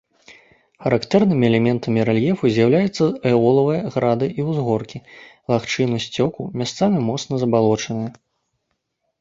Характэрнымі элементамі рэльефу з'яўляюцца эолавыя грады і ўзгоркі, лагчыны сцёку, месцамі моцна забалочаныя.